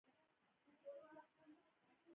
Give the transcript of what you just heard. او ټول غذائي مواد ئې ضايع شوي وي